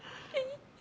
dia malah lihat apa jadi